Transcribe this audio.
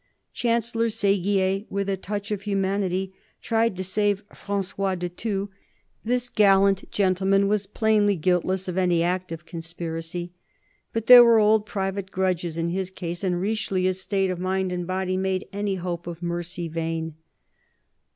Chancellor Seguier, with a touch of humanity, tried to save Francois de Thou: this gallant THE CARDINAL 289 gentleman was plainly guiltless of any active conspiracy. But there were old private grudges in his case, and Richelieu's state of mind and body made any hope of mercy vain.